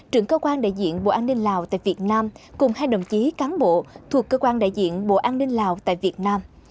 trưởng cơ quan đại diện bộ an ninh lào tại việt nam cùng hai đồng chí cán bộ thuộc cơ quan đại diện bộ an ninh lào tại việt nam